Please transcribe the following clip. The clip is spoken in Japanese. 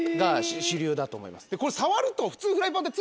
これ触ると。